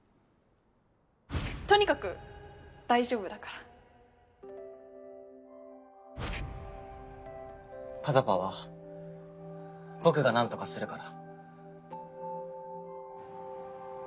とにかく大丈夫だから「ｐａｚａｐａ」は僕が何とかするから。